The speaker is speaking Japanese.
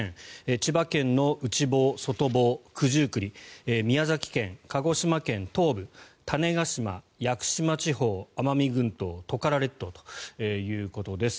千葉県の内房、外房、九十九里宮崎県、鹿児島県東部種子島、屋久島奄美群島トカラ列島ということです。